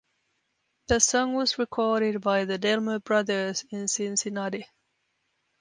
The song was recorded by the The Delmore Brothers in Cincinnati.